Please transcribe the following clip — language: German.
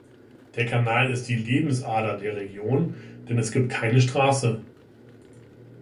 Der Kanal ist die Lebensader der Region, denn es gibt keine Straße.